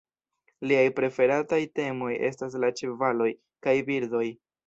Liaj preferataj temoj estas la ĉevaloj kaj birdoj.